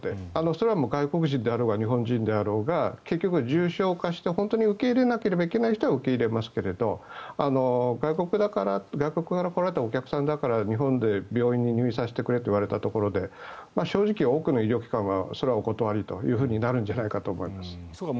それはもう外国人であろうが日本人であろうが結局、重症化して本当に受け入れなければいけない人は受け入れますけれど外国から来られたお客さんだから日本で病院に入院させてくれと言われたところで正直、多くの医療機関はそれはお断りとなるんじゃないかと思います。